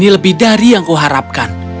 lebih dari yang kau harapkan